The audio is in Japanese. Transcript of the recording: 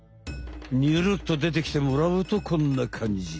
ニュルッとでてきてもらうとこんなかんじ。